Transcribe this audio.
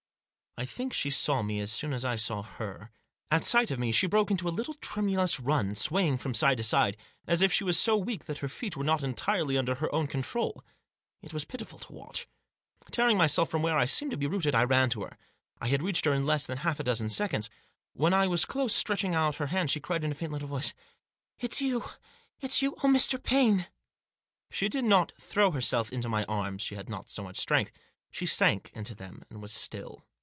I think she saw me as soon as I saw her. At sight of me she broke into a little tremulous run, swaying from side to side, as if she was so weak that her feet were not entirely under her own control. It was pitiful to watch. Tearing myself from where I seemed to be rooted, I ran to her. I had reached her in less than half a dozen seconds. When I was close, stretching out her hands, she cried, in a faint little voice :—" It's you ! it's you ! Oh, Mr. Paine !" She did not throw herself into my arms, she had not Digitized by THE AGITATION OF MISS PURVIS. 193 so much strength ; she sank into them, and was still.